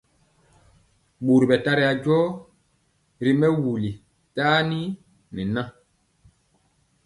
Ɓori ɓɛ tari ajɔ ri mɛwul tani nɛ na.